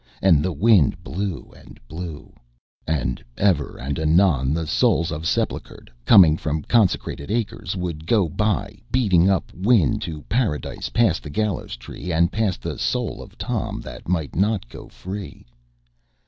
And the wind blew and blew. And ever and anon the souls of the sepultured, coming from consecrated acres, would go by beating up wind to Paradise past the Gallows Tree and past the soul of Tom, that might not go free.